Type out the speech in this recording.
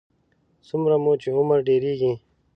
څومره مو چې عمر ډېرېږي.